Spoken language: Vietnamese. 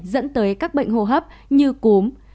dẫn tới các bệnh hô hấp như cúm